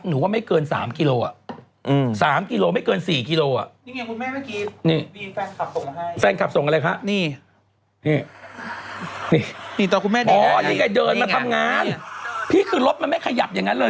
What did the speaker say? หนูว่าไม่เกิน๓กิโลคิโลคิโลคิโลคิโลคิโลคิโล